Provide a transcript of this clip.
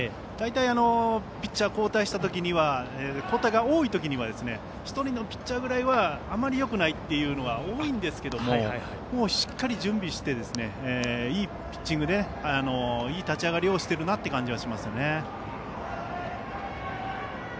大体ピッチャーの交代が多いときには１人のピッチャーぐらいはあまりよくないことが多いんですがしっかり準備していいピッチングでいい立ち上がりをしているなという感じがしますね。